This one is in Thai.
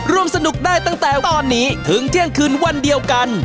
ร่วมสนุกได้ตั้งแต่ตอนนี้ถึงเที่ยงคืนวันเดียวกัน